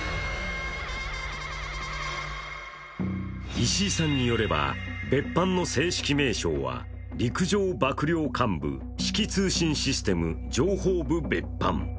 石井さんによれば別班の正式名称は陸上幕僚監部指揮通信システム・情報部別班。